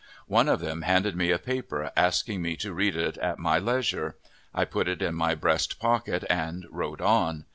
One of them handed me a paper, asking me to read it at my leisure; I put it in my breast pocket and rode on.